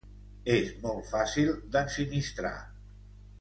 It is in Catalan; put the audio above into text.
És molt fàcil d'ensinistrar.